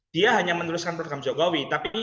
dia hanya meneruskan program jokowi tapi